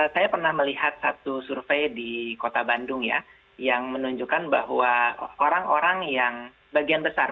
saya pernah melihat satu survei di kota bandung ya yang menunjukkan bahwa orang orang yang bagian besar